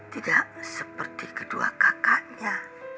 tidak seperti kedua kakaknya